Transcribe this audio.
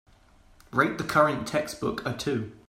Rate the current textbook a two